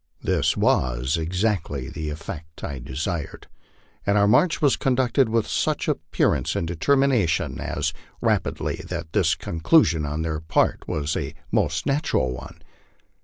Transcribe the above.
This was exactly the effect I desired, and our march was conducted with such appearance of determination and ra pidity that this conclusion on their part was a most natural one.